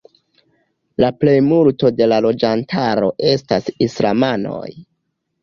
La plejmulto de la loĝantaro estas islamanoj.